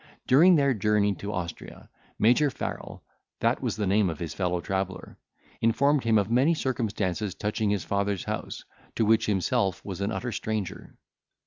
During their journey to Austria, Major Farrel, (that was the name of his fellow traveller,) informed him of many circumstances touching his father's house, to which himself was an utter stranger.